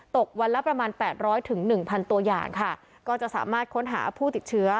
ตกวันละประมาณแปดร้อยถึงหนึ่งพันตัวอย่างค่ะก็จะสามารถค้นหาผู้ติดเชื้อ